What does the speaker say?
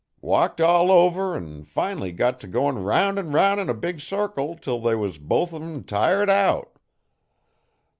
Walked all over 'n fin'ly got t' goin' round 'n round 'n a big circle 'til they was both on 'em tired out.